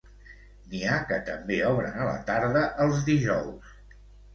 N'hi ha que també obren a la tarda els dijous.